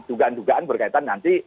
dugaan dugaan berkaitan nanti